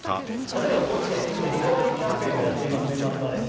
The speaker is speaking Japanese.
例えば、高知県、リカバリーキャンペーンをやっています、年末まで。